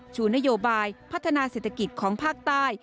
ชูนโยบายพัฒนาเศรษฐกิจของภาคใต้